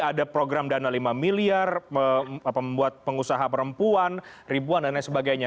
ada program dana lima miliar membuat pengusaha perempuan ribuan dan lain sebagainya